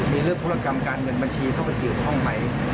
มีเรื่องธุรกรรมการเงินบัญชีเข้าไปเกี่ยวข้องไหม